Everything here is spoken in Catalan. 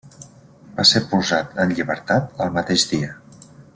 Va ser posat en llibertat el mateix dia.